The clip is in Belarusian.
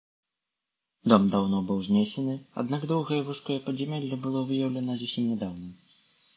Дом даўно быў знесены, аднак доўгае вузкае падзямелле было выяўлена зусім нядаўна.